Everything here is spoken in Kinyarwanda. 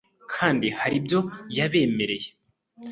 kandi hari ibyo yabemereye